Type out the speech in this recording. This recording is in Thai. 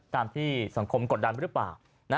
ตามที่สังคมกดดัน